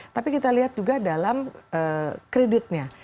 tapi kita lihat juga dalam kreditnya